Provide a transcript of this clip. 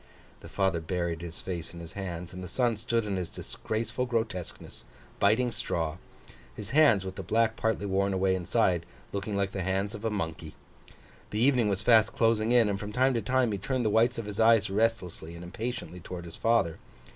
The father buried his face in his hands, and the son stood in his disgraceful grotesqueness, biting straw: his hands, with the black partly worn away inside, looking like the hands of a monkey. The evening was fast closing in; and from time to time, he turned the whites of his eyes restlessly and impatiently towards his father.